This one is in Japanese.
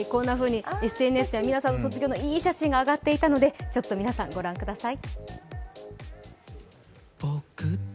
ＳＮＳで皆さんの卒業のいい写真が上がっていたので皆さん、ご覧ください。